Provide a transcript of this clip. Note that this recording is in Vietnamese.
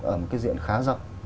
ở một cái diện khá rộng